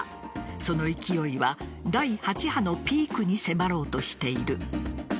その勢いは第８波のピークに迫ろうとしている。